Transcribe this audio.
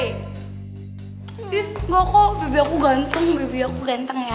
ih gak kok baby aku ganteng baby aku ganteng ya